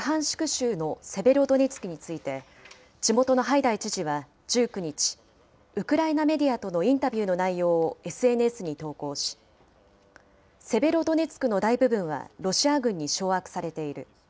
州のセベロドネツクについて、地元のハイダイ知事は１９日、ウクライナメディアとのインタビューの内容をＳＮＳに投稿し、セベロドネツクの大部分はロシア軍に掌握されている。